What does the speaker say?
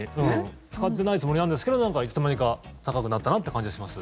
使ってないつもりなんですけどなんか、いつの間にか高くなったなって感じがします。